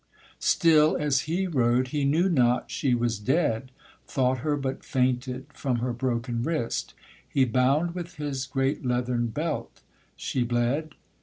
Still as he rode he knew not she was dead, Thought her but fainted from her broken wrist, He bound with his great leathern belt: she bled?